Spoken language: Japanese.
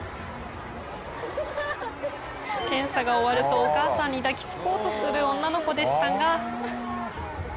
検査が終わるとお母さんに抱きつこうとする女の子でしたが。